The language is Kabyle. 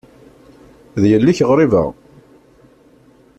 D yelli-k ɣriba.